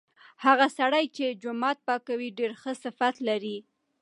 هغه سړی چې جومات پاکوي ډیر ښه صفت لري.